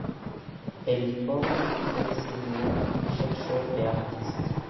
Elle forme des enseignants, chercheurs et artistes.